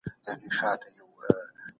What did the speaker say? تشې وعدې او دروغ خلګ ډیر ژر غولوي.